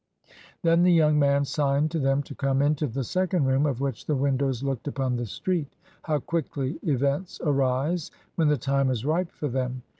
Then the young man signed to them to come into the second room, of which the windows looked upon the street How quickly events arise when the time is ripe for them!